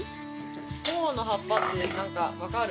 ほおの葉っぱって、なんか分かる？